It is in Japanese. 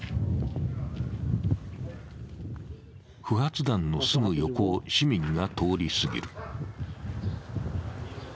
不発弾のすぐ横を市民が通り過ぎる。